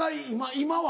今は。